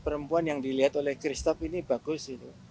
perempuan yang dilihat oleh christoph ini bagus